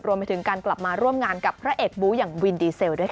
รวมไปถึงการกลับมาร่วมงานกับพระเอกบูอย่างวินดีเซลด้วยค่ะ